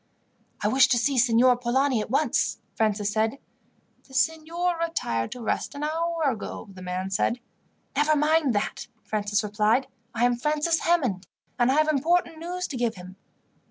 "I wish to see Signor Polani at once," Francis said. "The signor retired to rest an hour ago," the man said. "Never mind that," Francis replied. "I am Francis Hammond, and I have important news to give him."